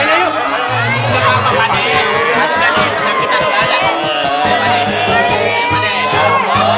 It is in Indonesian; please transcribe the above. itu lubang gigi udah gede banget